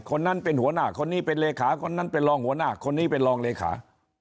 คนนั้นเป็นหัวหน้าคนนี้เป็นเลขาคนนั้นเป็นรองหัวหน้าคนนี้เป็นรองเลขา